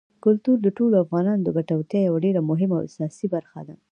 کلتور د ټولو افغانانو د ګټورتیا یوه ډېره مهمه او اساسي برخه ده.